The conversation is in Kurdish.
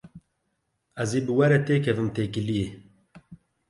Ez ê bi we re têkevim têkiliyê.